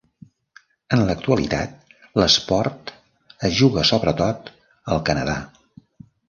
En l'actualitat l'esport es juga sobretot al Canadà.